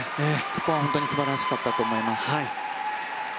そこは本当に素晴らしかったと思います。